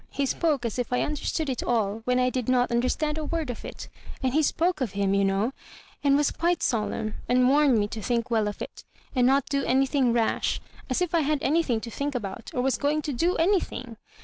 He spoke as if I understood it all when I did not understand a word of it ; and he spoke of him, you know, and was quite solemn, and warned me to think well of it, and not do anything rash — as if I had anything to think about, or was going to do anything